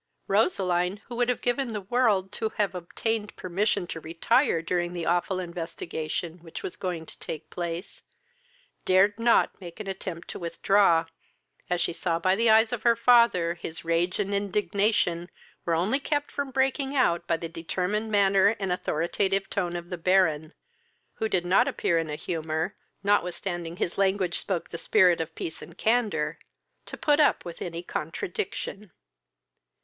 Roseline, who would have given the world to have obtained permission to retire during the awful investigation which was going to take place, dared not make an attempt to withdraw, as she saw by the eyes of her father his rage and indignation were only kept from breaking out by the determined manner and authoritative tone of the Baron, who did not appear in a humour, notwithstanding his language spoke the spirit of peace and candour, to put up with any contradiction.